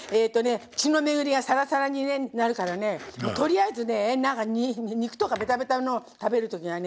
血の巡りがサラサラになるからねとりあえずね何か肉とかベタベタのを食べる時はね